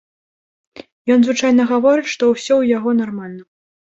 Ён звычайна гаворыць, што ўсё ў яго нармальна.